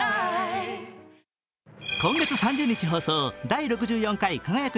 今月３０日放送「第６４回輝く！